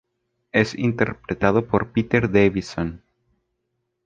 Es interpretado por Peter Davison.